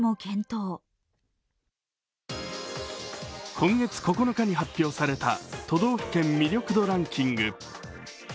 今月９日に発表された都道府県魅力度ランキング。